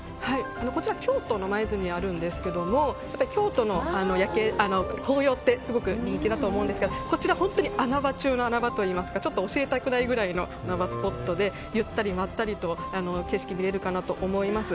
こちら京都の舞鶴にあるんですけど京都の紅葉ってすごく人気だと思うんですがこちら本当に穴場中の穴場といいますかちょっと教えたくないくらいの穴場スポットでゆったり、まったりと景色が見れるかなと思います。